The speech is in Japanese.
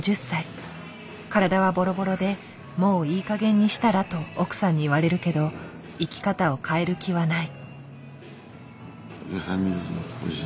体はボロボロで「もういい加減にしたら」と奥さんに言われるけど生き方を変える気はない。